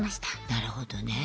なるほどね。